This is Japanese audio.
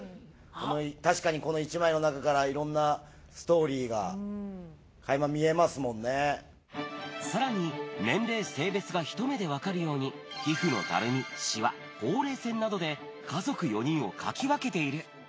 確かにこの１枚の中から、いろんなストーリーがかいま見えますもさらに、年齢、性別が一目で分かるように、皮膚のたるみ、しわ、ほうれい線などで家族４人を描き分けている。